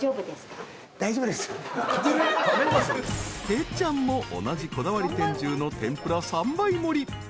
［てっちゃんも同じこだわり天重の天ぷら３倍盛り］